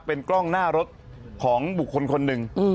เป็นกล้องหน้ารถของบุคคลคนหนึ่ง